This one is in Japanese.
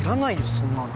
そんなの。